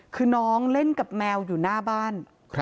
คือน้องเล่นกับแมวอยู่หน้าบ้าน